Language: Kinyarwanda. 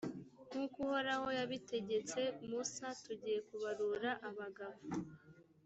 nk’uko uhoraho yabitegetse musa, tugiye kubarura abagabo.